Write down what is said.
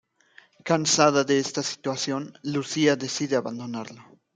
Cansada de esta situación, Lucía, decide abandonarlo.